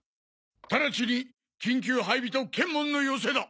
ただちに緊急配備と検問の要請だ！